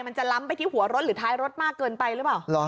มันจะล้ำไปที่หัวรถหรือท้ายรถมากเกินไปหรือเปล่า